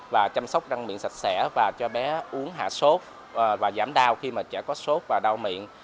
và chăm sóc đăng miệng sạch sẽ và cho bé uống hạ sốt và giảm đau khi mà trẻ có sốt và đau miệng